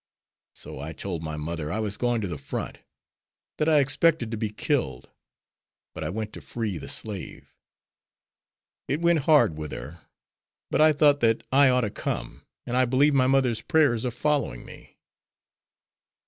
So I told my mother I was going to the front, that I expected to be killed, but I went to free the slave. It went hard with her. But I thought that I ought to come, and I believe my mother's prayers are following me."